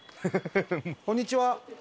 こんにちは。